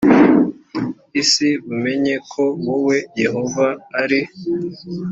isi bumenye ko wowe yehova ari